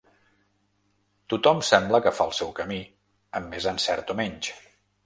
Tothom sembla que fa el seu camí, amb més encert o menys.